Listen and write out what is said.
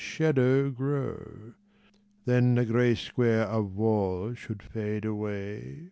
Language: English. Shadow grow. Then the grey square of wall should fade away.